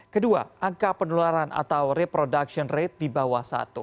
kedua angka penularan atau reproduction rate di bawah satu